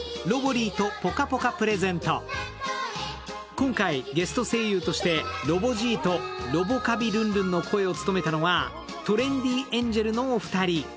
今回ゲスト声優としてロボじいとロボ・カビルンルンの声を務めたのはトレンディエンジェルのお二人。